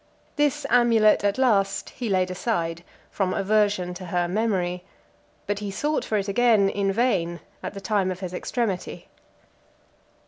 This amulet, at last, he laid aside, from aversion to her memory; but he sought for it again, in vain, in the time of his extremity.